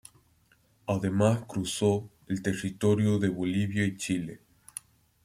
Además, cruzó el territorio de Bolivia y Chile.